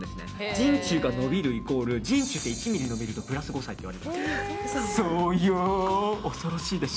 人中が伸びるイコール人中って１ｍｍ伸びるとプラス５歳って言われてるんです。